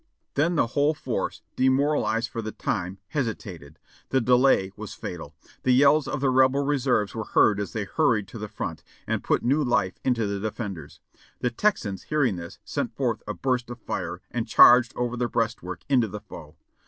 "Then the whole force, demoralized for the time, hesitated. The delay was fatal. The yells of the Rebel reserves were heard as they hurried to the front, and put new life into the defenders. The Texans hearing this, sent forth a burst of fire and charged over the breastwork into the foe.